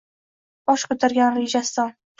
Bosh ko’targan Rajaston.